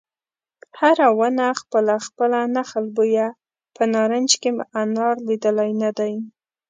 هره ونه خپله خپله نخل بویه په نارنج کې مې انار لیدلی نه دی